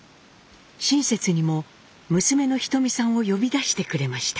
親切にも娘のひとみさんを呼び出してくれました。